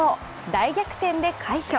大逆転で快挙！